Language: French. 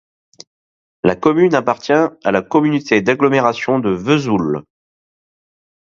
La commune appartient à la communauté d'agglomération de Vesoul.